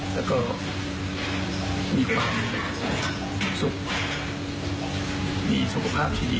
แล้วก็มีความสุขมีสุขภาพที่ดี